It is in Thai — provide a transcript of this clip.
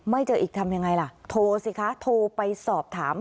เจออีกทำยังไงล่ะโทรสิคะโทรไปสอบถาม